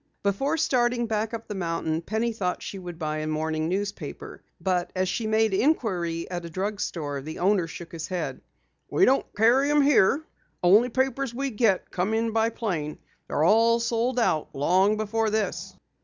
Before starting back up the mountain Penny thought she would buy a morning newspaper. But as she made inquiry at a drug store, the owner shook his head. "We don't carry them here. The only papers we get come in by plane. They're all sold out long before this."